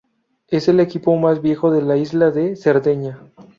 Es el equipo más viejo de la isla de Cerdeña.